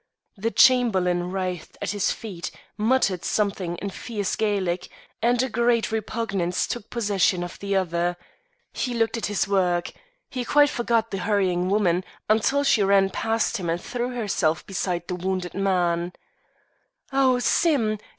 The Chamberlain writhed at his feet, muttered something fierce in Gaelic, and a great repugnance took possession of the other. He looked at his work; he quite forgot the hurrying woman until she ran past him and threw herself beside the wounded man. "Oh, Sim!